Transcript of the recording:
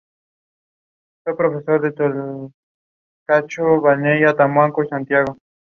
El primer episodio de "House" fue bien recibido por la mayor parte del público.